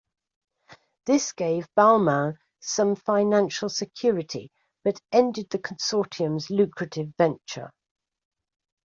This gave Balmain some financial security, but ended the consortium's lucrative venture.